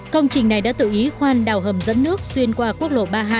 công trình này đã tự ý khoan đào hầm dẫn nước xuyên qua quốc lộ ba mươi hai